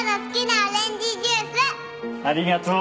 ありがとう。